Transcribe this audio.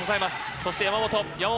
そして、山本、山本。